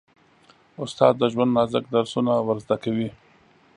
استاد د ژوند نازک درسونه ور زده کوي.